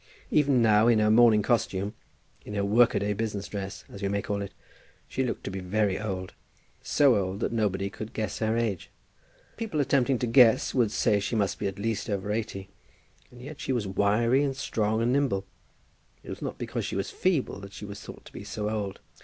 Even now, in her morning costume, in her work a day business dress, as we may call it, she looked to be very old, so old that nobody could guess her age. People attempting to guess would say that she must be at least over eighty. And yet she was wiry, and strong, and nimble. It was not because she was feeble that she was thought to be so old.